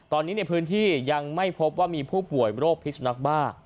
ตอนนี้ในพื้นที่ยังไม่พบว่ามีผู้ป่วยโรคพิสุนักบ้า